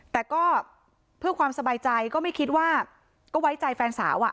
แต่ก็เพื่อความสบายใจก็ไม่คิดว่าก็ไว้ใจแฟนสาวอ่ะ